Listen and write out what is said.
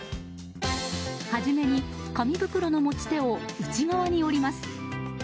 はじめに、紙袋の持ち手を内側に折ります。